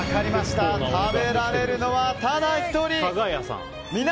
食べられるのは、ただ１人！